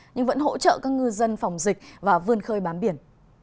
nhưng vẫn hỗ trợ các ngư dân phòng dịch và vươn khơi bám biển